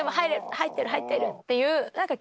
入ってる入ってるっていう気持ちで。